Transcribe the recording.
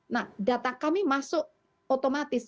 nah data kami masuk otomatis